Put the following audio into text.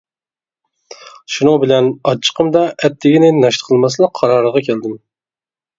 شۇنىڭ بىلەن ئاچچىقىمدا ئەتىگىنى ناشتا قىلماسلىق قارارىغا كەلدىم.